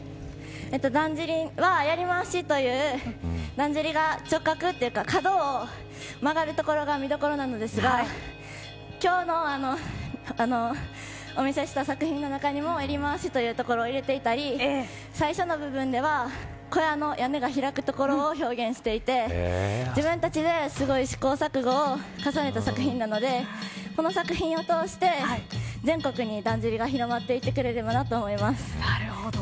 だんじりは、やりまわしというだんじりが、直角というか角を曲がるところが見どころなんですが今日、お見せした作品の中にもやりまわしというところを入れていたり最初の部分では小屋の屋根が開くところを表現していて自分たちですごい試行錯誤を重ねた作品なのでこの作品を通して全国にだんじりが広がっていってなるほど。